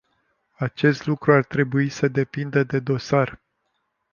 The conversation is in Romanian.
Acest lucru ar trebui să depindă de dosar.